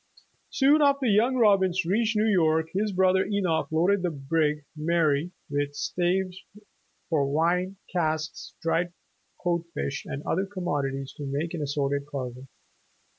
Soon after young Robbins reached New York, hia brother Enoch loaded the brig "Mary" with staves for wine casks, dried codfish, and other commodities to make an assorted cargo.